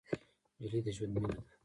نجلۍ د ژوند مینه ده.